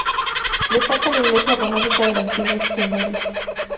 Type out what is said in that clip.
Destaca la iglesia románica del antiguo cenobio.